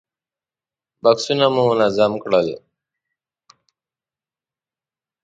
بکسونه مو منظم کړل.